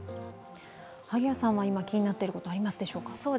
萩谷さんは今、気になっていることはありますでしょうか？